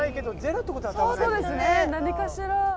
何かしら。